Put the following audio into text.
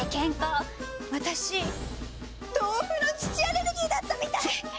私トウフの土アレルギーだったみたい。